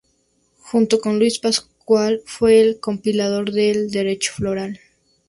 Junto con Luis Pascual fue el compilador del derecho foral.